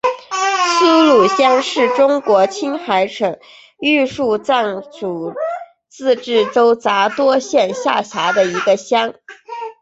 苏鲁乡是中国青海省玉树藏族自治州杂多县下辖的一个乡。